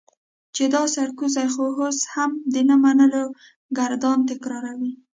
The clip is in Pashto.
چې دا سرکوزی خو اوس هم د نه منلو ګردان تکراروي.